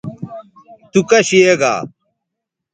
تو کش یے گا